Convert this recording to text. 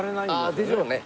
ああでしょうね。